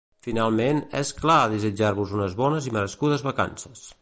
Finalment, és clar, desitjar-vos unes bones i merescudes vacances!